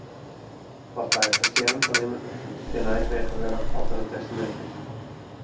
Pas by it ferstjerren fan immen kin neifrege wurde oft der in testamint is.